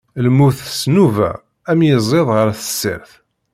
Lmut s nnuba, am yiẓid ɣeṛ tessirt.